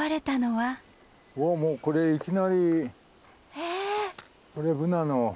おっもうこれいきなり。え。